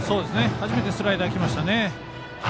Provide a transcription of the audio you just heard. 初めてスライダーきましたね。